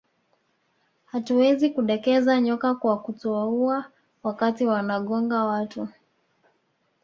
Hatuwezi kudekeza nyoka kwa kutowaua wakati wanagonga watu